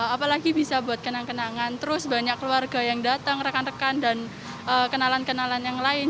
apalagi bisa buat kenang kenangan terus banyak keluarga yang datang rekan rekan dan kenalan kenalan yang lain